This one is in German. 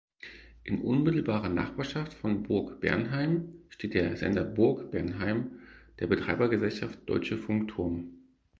In unmittelbarer Nachbarschaft von Burgbernheim steht der Sender Burgbernheim der Betreibergesellschaft Deutsche Funkturm.